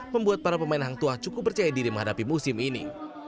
membuat para pemain hang tua cukup percaya diri menghadapi musim ini